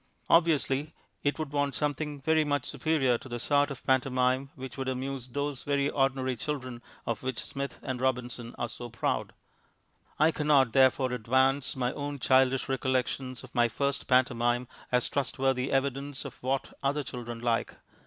Obviously it would want something very much superior to the sort of pantomime which would amuse those very ordinary children of which Smith and Robinson are so proud. I cannot, therefore, advance my own childish recollections of my first pantomime as trustworthy evidence of what other children like.